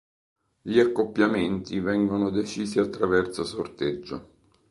Gli accoppiamenti vengono decisi attraverso sorteggio.